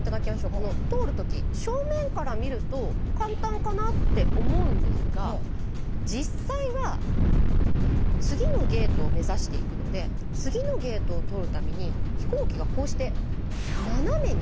この通る時正面から見ると簡単かなって思うんですが実際は次のゲートを目指していくので次のゲートを通るために飛行機がこうして斜めに。